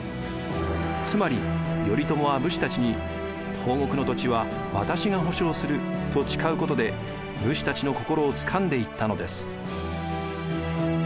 つまり頼朝は武士たちに「東国の土地は私が保証する」と誓うことで武士たちの心をつかんでいったのです。